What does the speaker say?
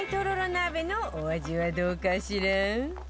鍋のお味はどうかしら？